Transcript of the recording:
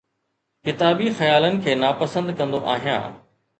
ڪتابي خيالن کي ناپسند ڪندو آهي